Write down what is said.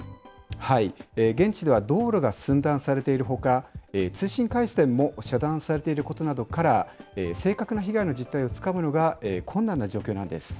現地では道路が寸断されているほか、通信回線も遮断されていることなどから、正確な被害の実態をつかむのが困難な状況なんです。